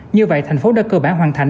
như vậy thành phố đã cơ bản hoàn thành